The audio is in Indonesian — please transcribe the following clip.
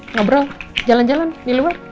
ngobrol jalan jalan di luar